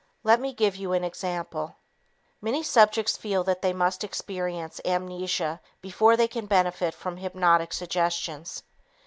Let me give you an example. Many subjects feel that they must experience amnesia before they can benefit from hypnotic suggestions.